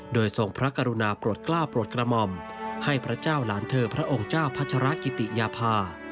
โดยทรงพระกรุณาโปรดกล้าโปรดกระหม่อมให้พระเจ้าหลานเธอพระองค์เจ้าพัชรกิติยาภา